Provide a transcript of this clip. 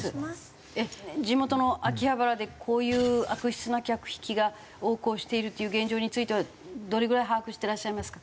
地元の秋葉原でこういう悪質な客引きが横行しているという現状についてはどれぐらい把握していらっしゃいますか？